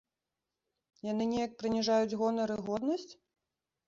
Яны неяк прыніжаюць гонар і годнасць?